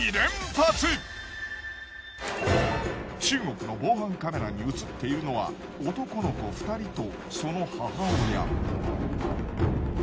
中国の防犯カメラに映っているのは男の子２人とその母親。